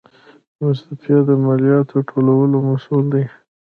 مستوفیت د مالیاتو ټولولو مسوول دی